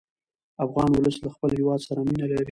افغان ولس له خپل هېواد سره مینه لري.